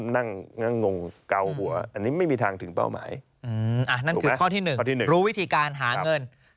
นั่งงงเกาหัวอันนี้ไม่มีทางถึงเป้าหมายนั่นคือข้อที่๑รู้วิธีการหาเงิน